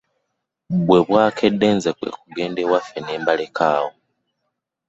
Bwe bwakedde nze kwe kugenda ewaffe ne mbaleka awo.